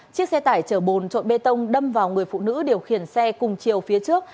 chiếc xe tải chở bồn trộn bê tông đâm vào người phụ nữ điều khiển xe cùng chiều phía trước